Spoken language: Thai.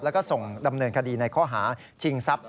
แล้วก็ส่งดำเนินคดีในข้อหาชิงทรัพย